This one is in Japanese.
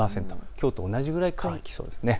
きょうと同じくらい乾きそうですね。